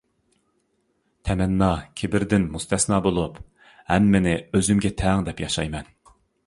تەمەننا كىبىردىن مۇستەسنا بولۇپ، ھەممىنى ئۆزۈمگە تەڭ دەپ ياشايمەن.